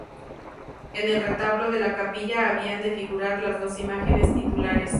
En el retablo de la capilla habían de figurar las dos imágenes titulares.